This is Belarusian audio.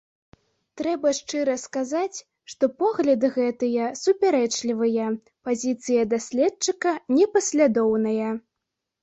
Трэба шчыра сказаць, што погляды гэтыя супярэчлівыя, пазіцыя даследчыка непаслядоўная.